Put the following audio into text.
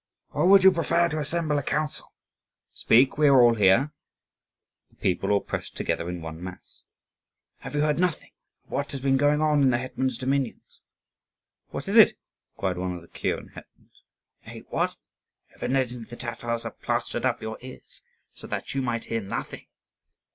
"Or would you prefer to assemble a council?" "Speak, we are all here." The people all pressed together in one mass. "Have you then heard nothing of what has been going on in the hetman's dominions?" "What is it?" inquired one of the kuren hetmans. "Eh! what! Evidently the Tatars have plastered up your ears so that you might hear nothing."